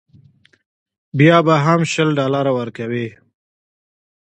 بیا به هم شل ډالره ورکوې.